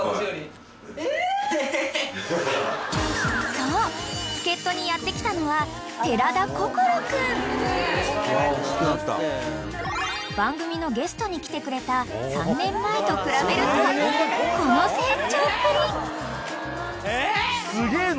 ［そう助っ人にやって来たのは］［番組のゲストに来てくれた３年前と比べるとこの成長っぷり］